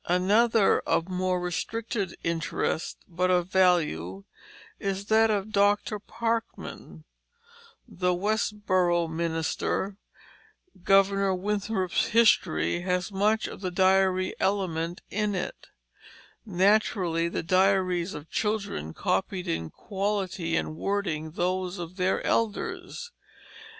Another of more restricted interest, but of value, is that of Dr. Parkman, the Westborough minister. Governor Winthrop's History has much of the diary element in it. Naturally, the diaries of children copied in quality and wording those of their elders.